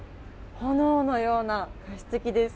炎のような加湿器です。